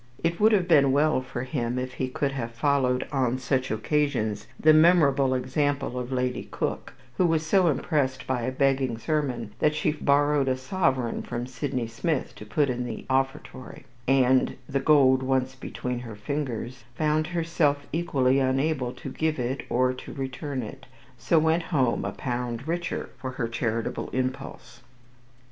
It would have been well for him if he could have followed on such occasions the memorable example of Lady Cook, who was so impressed by a begging sermon that she borrowed a sovereign from Sydney Smith to put into the offertory; and the gold once between her fingers found herself equally unable to give it or to return it, so went home, a pound richer for her charitable impulse.